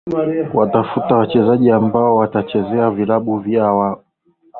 watafuta wachezaji ambao watachezea vilabu vyao wakati